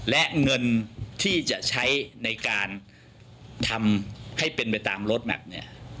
และเงินที่จะใช้ในการทำให้เป็นไปตามรถแมพเนี่ย